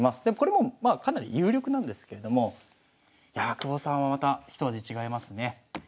でもこれもまあかなり有力なんですけれどもいやあ久保さんはまた一味違いますね。